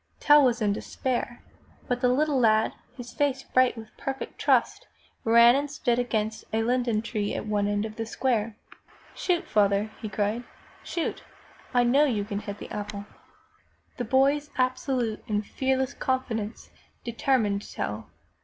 Tell was in despair, but the little lad, his face bright with perfect trust, ran and stood against a linden tree at one end of the square. "Shoot, father! "he cried. "Shoot! Iknowyoucanhittheapple!" 291 MY BOOK HOUSE The boy's absolute and fearless confidence determined Tell.